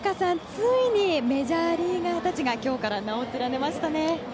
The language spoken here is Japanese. ついにメジャーリーガーたちが今日から名を連ねましたね。